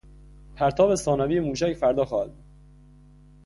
پرتاب ثانوی موشک فردا خواهد بود.